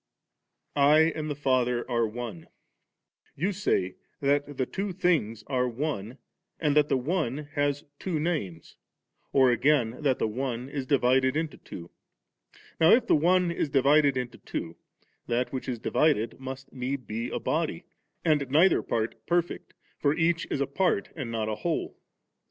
I and the Father are One V You say that theitwo thin^ are one, or that the one has two names, or again that the one is divided into two. Now if the one is divided into two, that which is divided must need be a body, and neither part perfect, for each is a part and not a whole.